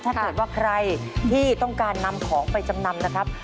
ถ้าเกิดว่าใครที่ต้องการนำของไปจำนำนะครับ